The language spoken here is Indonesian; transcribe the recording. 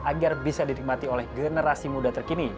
agar bisa dinikmati oleh generasi muda saat ini